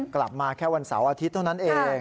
กลับมาแค่วันเสาร์อาทิตย์เท่านั้นเอง